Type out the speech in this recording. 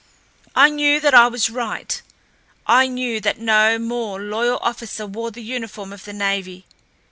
I knew that I was right. I knew that no more loyal officer wore the uniform of the navy.